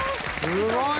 すごい！